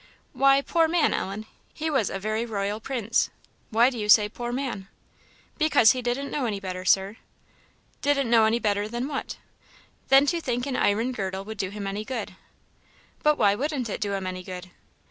"Why 'poor man,' Ellen? he was a very royal prince; why do you say 'poor man?' " "Because he didn't know any better, Sir." "Didn't know any better than what?" "Than to think an iron girdle would do him any good." "But why wouldn't it do him any good?"